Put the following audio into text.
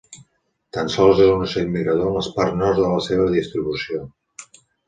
Tan sols és un ocell migrador en les parts nord de la seva distribució.